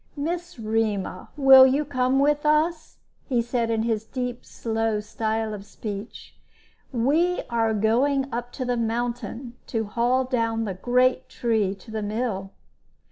"Miss Rema, will you come with us?" he said, in his deep, slow style of speech. "We are going up the mountain, to haul down the great tree to the mill."